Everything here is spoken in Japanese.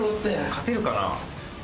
勝てるかな？